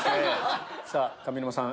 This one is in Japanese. さぁ上沼さん